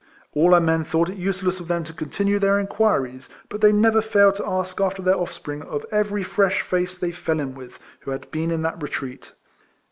All our men thought it useless of them to continue their inquiries; but they never failed to ask after their offspring of ever}^ fresh face they fell in with, who had been in that retreat.